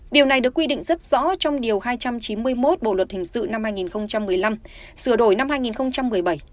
điều này được quy định rất rõ trong điều hai trăm chín mươi một bộ luật hình sự năm hai nghìn một mươi năm sửa đổi năm hai nghìn một mươi bảy